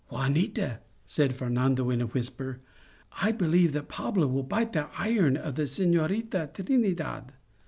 " Juanita," said Fernando in a whisper, " I believe that Pablo will bite the iron ' of the Senorita Trinidad.